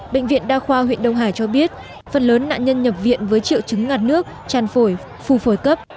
bệnh viện đa khoa huyện đông hải cho biết phần lớn nạn nhân nhập viện với triệu chứng ngặt nước tràn phổi phù phổi cấp